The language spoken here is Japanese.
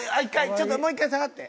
ちょっともう一回下がって。